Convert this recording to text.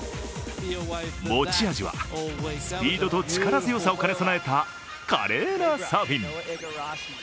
持ち味はスピードと力強さを兼ね合わせた華麗なサーフィン。